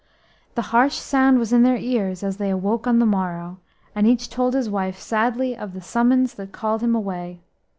The harsh sound was in their ears as they awoke on the morrow, and each told his wife sadly of the summons that called him away.